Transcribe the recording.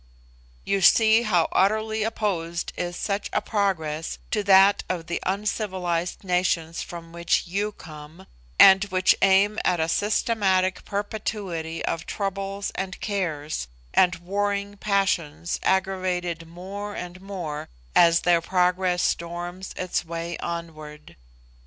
You see how utterly opposed is such a progress to that of the uncivilised nations from which you come, and which aim at a systematic perpetuity of troubles, and cares, and warring passions aggravated more and more as their progress storms its way onward.